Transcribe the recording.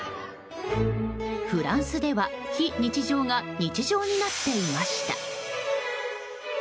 フランスでは非日常が日常になっていました。